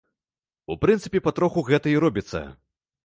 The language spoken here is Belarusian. У прынцыпе, патроху гэта і робіцца.